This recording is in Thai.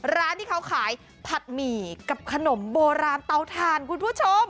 ร้านที่เขาขายผัดหมี่กับขนมโบราณเตาถ่านคุณผู้ชม